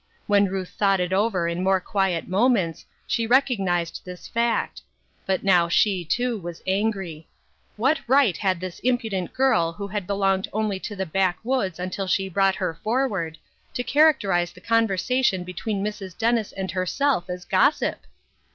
When Ruth thought it over in more quiet moments she recognized this fact ; but now she, too, was angry. What right had this impudent girl who had belonged only to the backwoods until she brought her forward, to characterize the conversation between Mrs. Dennis and herself as gossip